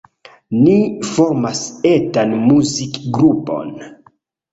Ni formas etan muzikgrupon.